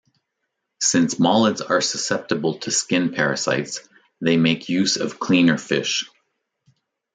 Since molids are susceptible to skin parasites, they make use of cleaner fish.